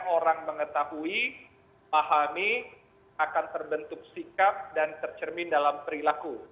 orang mengetahui pahami akan terbentuk sikap dan tercermin dalam perilaku